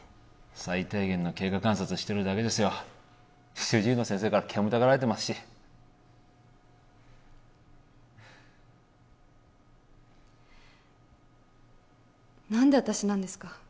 最低限の経過観察してるだけですよ主治医の先生から煙たがられてますし何で私なんですか？